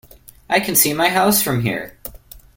I can see my house from here!